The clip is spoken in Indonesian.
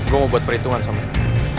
gue mau buat perhitungan sama gue